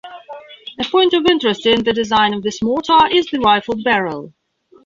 A point of interest in the design of this mortar is the rifled barrel.